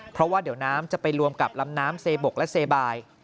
เพราะว่าเดี๋ยวน้ำจะไปรวมกับลำน้ำเซบกและเซบาย